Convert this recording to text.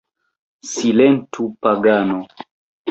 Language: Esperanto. Silentu pagano!